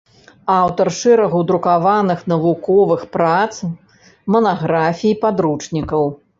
Аўтар шэрагу друкаваных навуковых прац, манаграфій, падручнікаў.